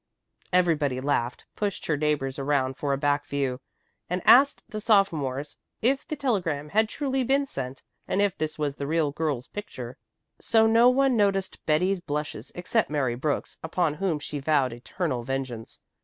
Everybody laughed, pushed her neighbors around for a back view, and asked the sophomores if the telegram had truly been sent, and if this was the real girl's picture. So no one noticed Betty's blushes except Mary Brooks, upon whom she vowed eternal vengeance.